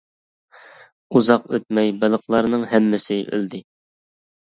ئۇزاق ئۆتمەي بېلىقلارنىڭ ھەممىسى ئۆلدى.